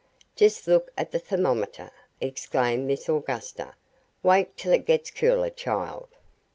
"Just look at the thermometer!" exclaimed Miss Augusta. "Wait till it gets cooler, child."